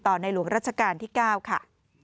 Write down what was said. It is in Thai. ในหลวงรัชกาลที่๙ค่ะ